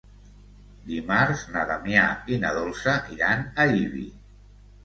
Dimarts na Damià i na Dolça iran a Ibi.